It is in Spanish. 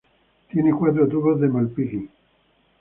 Tiene cuatro tubos de Malpighi.